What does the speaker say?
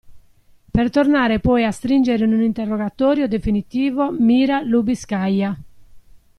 Per tornare poi a stringere in un interrogatorio definitivo Mira Lubiskaja.